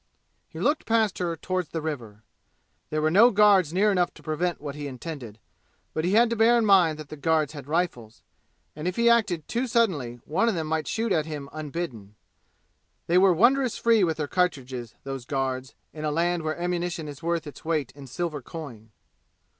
He looked past her toward the river. There were no guards near enough to prevent what he intended; but he had to bear in mind that the guards had rifles, and if he acted too suddenly one of them might shoot at him unbidden. They were wondrous free with their cartridges, those guards, in a land where ammunition is worth its weight in silver coin.